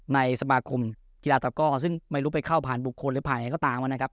ในสมาคมกีฬาตะก้อซึ่งไม่รู้ไปเข้าผ่านบุคคลหรือผ่านอะไรก็ตามนะครับ